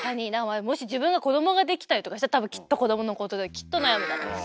もし自分が子供ができたりとかしたら多分きっと子供のことできっと悩むだろうし。